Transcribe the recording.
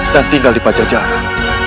dan tinggal di pajajaran